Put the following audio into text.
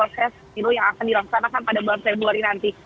tes yang akan dilaksanakan pada bulan februari nanti